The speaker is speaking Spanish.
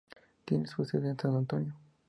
Tiene su sede en San Antonio.